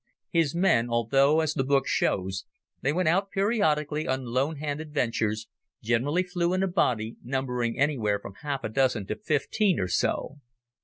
His men, although, as the book shows, they went out periodically on lone hand ventures, generally flew in a body, numbering anywhere from half a dozen to fifteen or so.